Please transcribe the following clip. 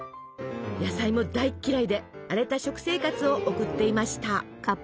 野菜も大嫌いで荒れた食生活を送っていました。